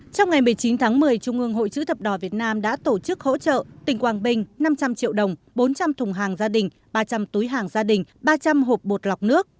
trong ngày một mươi chín tháng một mươi trung ương hội chữ thập đỏ việt nam đã tổ chức hỗ trợ tỉnh quảng bình năm trăm linh triệu đồng bốn trăm linh thùng hàng gia đình ba trăm linh túi hàng gia đình ba trăm linh hộp bột lọc nước